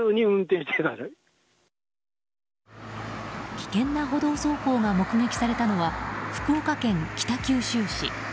危険な歩道走行が目撃されたのは福岡県北九州市。